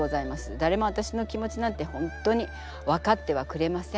だれもわたしの気持ちなんて本当に分かってはくれません。